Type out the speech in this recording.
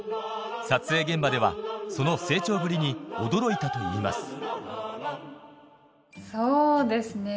撮影現場ではその成長ぶりに驚いたといいますそうですね